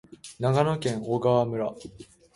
長野県小川村